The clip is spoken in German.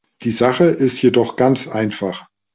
Die Sache ist jedoch ganz einfach.